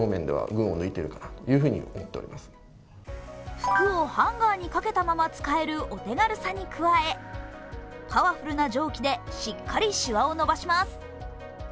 服をハンガーにかけたまま使えるお手軽さに加えパワフルな蒸気でしっかりしわを伸ばします。